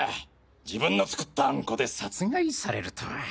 自分の作ったアンコで殺害されるとは。